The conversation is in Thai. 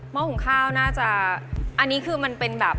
ห้อหุงข้าวน่าจะอันนี้คือมันเป็นแบบ